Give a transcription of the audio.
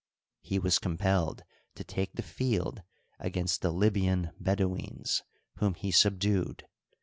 He was compelled to take the field against the Libyan Bedouins, whom he subdued.